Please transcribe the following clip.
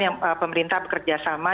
yang pemerintah bekerja sama